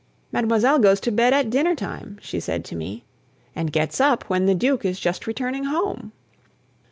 "Mlle. goes to bed at dinner time," she said to me, "and gets up when the Duke is just returning home."